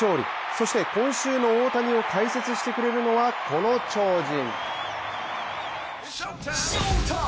そして今週の大谷を解説してくれるのは、この超人。